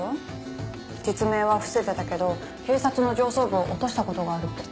実名は伏せてたけど警察の上層部を落とした事があるって。